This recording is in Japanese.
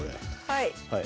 はい。